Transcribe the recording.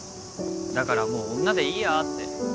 だからもう女でいいやって。